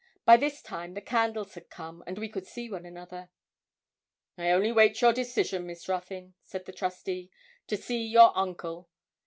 By this time the candles had come, and we could see one another. 'I only wait your decision, Miss Ruthyn,' said the trustee, 'to see your uncle.